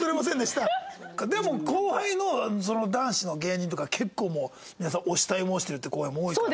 でも後輩の男子の芸人とか結構もう皆さんお慕い申してるっていう後輩も多いから。